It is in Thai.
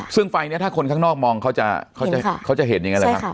ซึ่งไฟเนี้ยถ้าคนข้างนอกมองเขาจะเขาจะเขาจะเห็นอย่างเงี้ยเลยครับ